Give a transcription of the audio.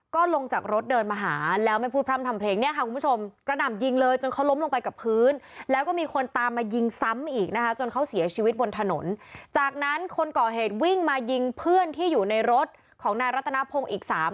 ก็ลงจากรถเดินมาหาแล้วแม่ผู้พร่ำทำเพลงเนี่ยค่ะคุณผู้ชม